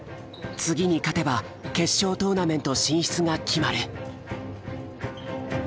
次に勝てば決勝トーナメント進出が決まる。